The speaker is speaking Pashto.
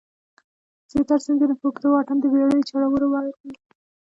زیاتره سیندونه په اوږده واټن د بېړیو چلولو وړ دي.